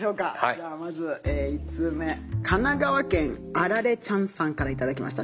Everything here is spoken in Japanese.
じゃあまず１通目神奈川県アラレちゃんさんから頂きました。